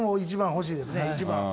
ほしいですね、１番。